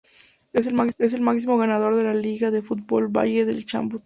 Es el máximo ganador de la Liga de fútbol Valle del Chubut.